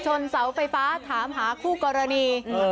เสาไฟฟ้าถามหาคู่กรณี